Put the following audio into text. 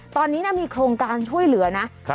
ตอนนี้มีโครงการช่วยเหลือนะ